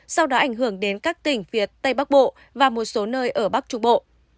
sau đó ảnh hưởng đến các tỉnh phía tây bắc bộ và một số nơi ở bắc trung bộ